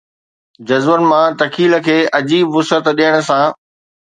جذبن مان تخيل کي عجيب وسعت ڏيڻ سان